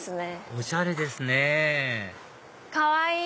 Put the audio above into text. おしゃれですねかわいい！